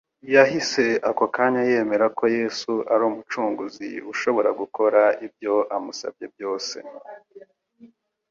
yahise ako kanya yemera ko Yesu ari Umucunguzi ushobora gukora ibyo amusabye byose.